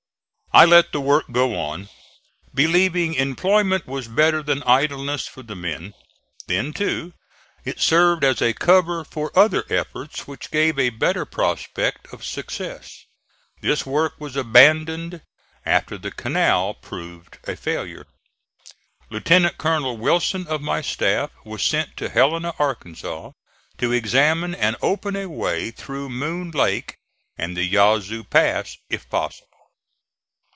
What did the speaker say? I let the work go on, believing employment was better than idleness for the men. Then, too, it served as a cover for other efforts which gave a better prospect of success. This work was abandoned after the canal proved a failure. Lieutenant Colonel Wilson of my staff was sent to Helena, Arkansas, to examine and open a way through Moon Lake and the Yazoo Pass if possible.